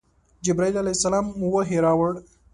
جبرائیل علیه السلام وحی راوړ.